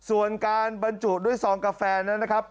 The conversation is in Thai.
ส่วนการบรรจุด้วยซองกาแฟนั้นนะครับ